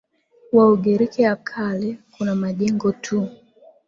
wa Ugiriki ya Kale kuna majengo tu